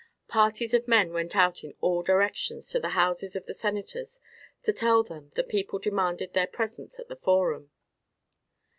Parties of men went out in all directions to the houses of the senators to tell them the people demanded their presence at the forum.